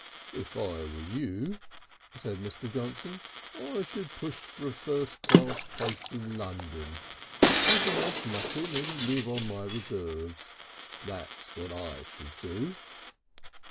"If I were you," said Mr. Johnson, "I should push for a first class place in London take almost nothing and live on my reserves. That's what I should do."